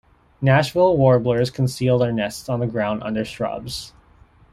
Nashville warblers conceal their nests on the ground under shrubs.